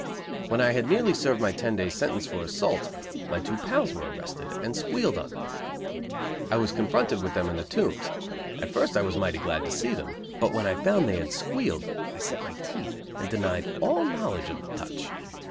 When I had nearly served my ten days' sentence for assault, my two pals were arrested and "squealed" on me. I was confronted with them in the Tombs. At first I was mighty glad to see them, but when I found they had "squealed," I set my teeth and denied all knowledge of the "touch."